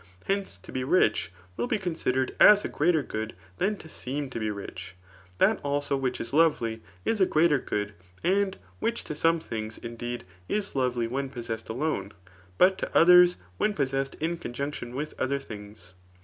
Hence, to be rich will be considered as a greater good than to seem to be rich. That also which is lovely is a greater good } and which to some things, indeed, is lovely when possessed alone i but to others when possessed in conjunction with other things.